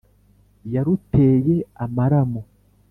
Yaruteye amaramu